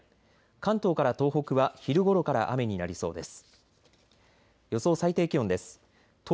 関東から東北は昼ごろから雨になりそうです。